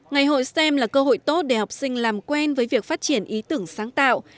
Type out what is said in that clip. ngày hội stem là cơ hội tốt để học sinh làm quen với việc phát triển ý tưởng sáng tạo